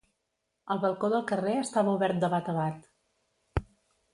El balcó del carrer estava obert de bat a bat.